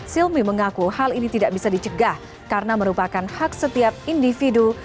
silmi mengaku hal ini tidak bisa dicegah karena merupakan hak setiap individu